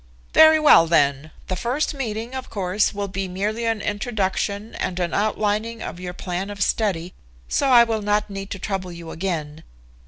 "Very well, then. The first meeting, of course, will be merely an introduction and an outlining of your plan of study, so I will not need to trouble you again.